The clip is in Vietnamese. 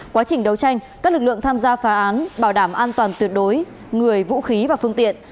quá trình đấu tranh các lực lượng tham gia phá án bảo đảm an toàn tuyệt đối người vũ khí và phương tiện